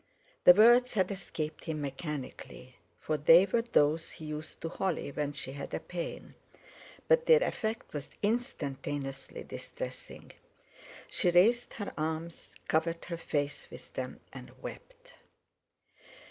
The words had escaped him mechanically, for they were those he used to Holly when she had a pain, but their effect was instantaneously distressing. She raised her arms, covered her face with them, and wept.